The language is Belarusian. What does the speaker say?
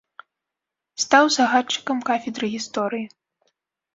Стаў загадчыкам кафедры гісторыі.